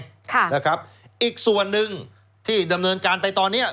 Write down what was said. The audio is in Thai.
ค่ะนะครับอีกส่วนนึงที่เดิมเนินการไต่ตอนนี้